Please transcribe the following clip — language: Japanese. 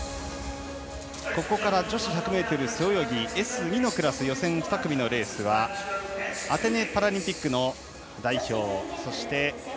ここから女子１００ｍ背泳ぎＳ２のクラス予選２組のレースはアテネパラリンピックの代表